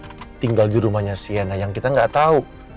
masa kita lagi harus tinggal di rumahnya sienna yang kita gak tau